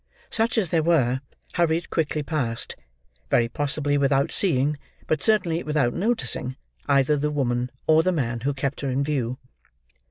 Such as there were, hurried quickly past: very possibly without seeing, but certainly without noticing, either the woman, or the man who kept her in view.